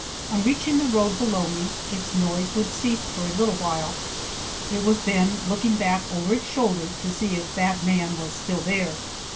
On reaching the road below me, its noise would cease for a little while, it was then looking back over its shoulder to see if that man was still there.